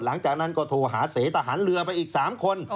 หลังจากนั้นก็โทรหาเสทหารเรือไปอีก๓คน